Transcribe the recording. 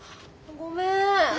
ごめんね。